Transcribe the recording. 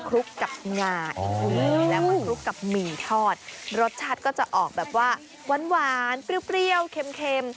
รสชัดก็จะออกแบบว่าหวานกรี้วเค็ม